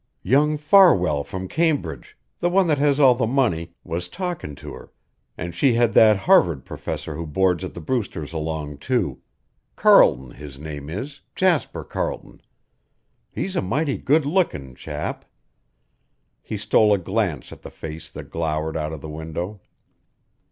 "Young Farwell from Cambridge the one that has all the money was talkin' to her, an' she had that Harvard professor who boards at the Brewsters' along too; Carlton his name is, Jasper Carlton. He's a mighty good lookin' chap." He stole a glance at the face that glowered out of the window.